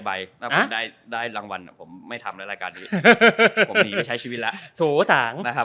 ก็ส่งกันเข้ามา